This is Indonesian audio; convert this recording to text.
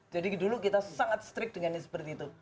jadi dulu kita sangat strict dengan seperti itu